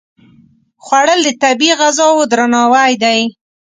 خوړل د طبیعي غذاو درناوی دی